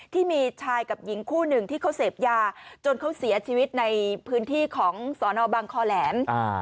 ที่มีชายกับหญิงคู่หนึ่งที่เขาเสพยาจนเขาเสียชีวิตในพื้นที่ของสอนอบังคอแหลม